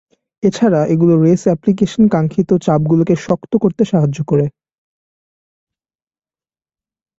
এছাড়া, এগুলো রেস অ্যাপ্লিকেশনে কাঙ্ক্ষিত চাপগুলোকে শক্ত করতে সাহায্য করে।